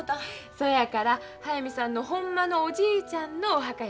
そやから速水さんのほんまのおじいちゃんのお墓や。